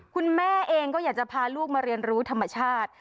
คุณแม่เองก็อยากจะพาลูกมาเรียนรู้ธรรมชาติ